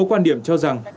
cô cô quan điểm cho rằng